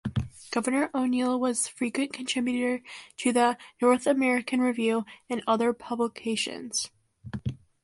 Governor O'Neal was a frequent contributor to "The North American Review" and other publications.